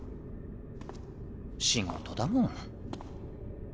仕事だもん。